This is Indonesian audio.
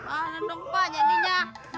ah nendung pak jadinya